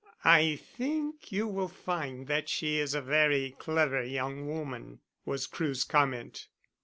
"I think you will find that she is a very clever young woman," was Crewe's comment.